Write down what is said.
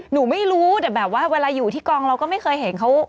หนูไม่รู้แต่แบบว่าเวลาอยู่ที่กองเราก็ไม่เคยเห็นเขา